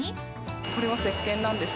これはせっけんなんです